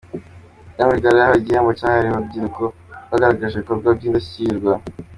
Diane Rwigara yahawe igihembo cyahariwe urubyiruko rwagaragaje ibikorwa by’indashyikirwa.